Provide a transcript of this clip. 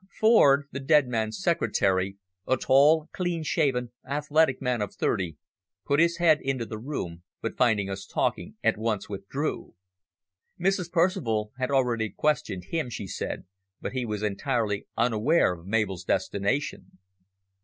Ford, the dead man's secretary, a tall, clean shaven, athletic man of thirty, put his head into the room, but, finding us talking, at once withdrew. Mrs. Percival had already questioned him, she said, but he was entirely unaware of Mabel's destination.